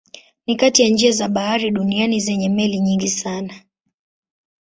Ni kati ya njia za bahari duniani zenye meli nyingi sana.